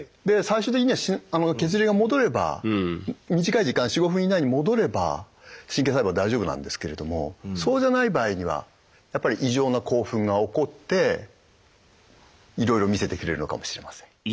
で最終的には血流が戻れば短い時間４５分以内に戻れば神経細胞は大丈夫なんですけれどもそうじゃない場合にはやっぱり異常な興奮が起こっていろいろ見せてくれるのかもしれません。